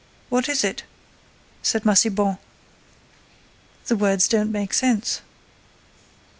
What is it?" said Massiban. "The words don't make sense."